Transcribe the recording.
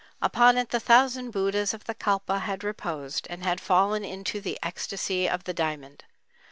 Upon it the thousand Buddhas of the Kalpa had reposed and had fallen into the "ecstasy of the diamond."